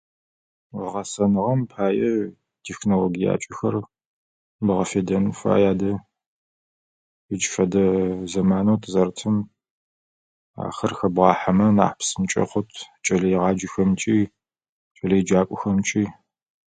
Гъэсэныгъэм пае технологиякӏэхэр бгъэфедэн фай адэ. Ыкӏ фэдэ зэманэу тызэрытым ахэр хэбгъахьэмэ нахь псынкӏэ хъут, кӏэлэегъаджэхэмкӏи, кӏэлэеджакӏохэмкӏи.